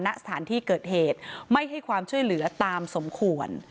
ณสถานที่เกิดเหตุไม่ให้ความช่วยเหลือตามสมควร